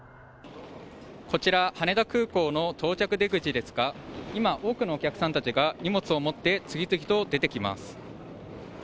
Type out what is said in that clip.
こちら羽田空港の到着出口ですが今、多くのお客さんたちが荷物を持って次々と出てきます。